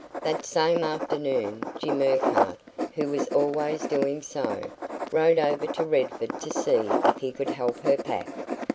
That same afternoon, Jim Urquhart, who was always doing so, rode over to Redford to see if he could help her pack.